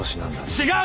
違う！